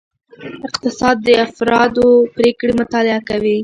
اقتصاد د افرادو پریکړې مطالعه کوي.